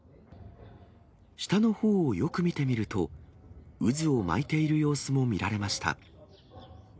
下のほうをよく見てみると、渦を巻いている様子も見られました。